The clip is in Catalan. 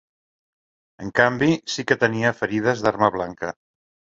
En canvi, sí que tenia ferides d’arma blanca.